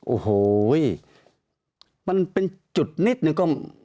โอ้โหมันเป็นจุดนิดหนึ่งก็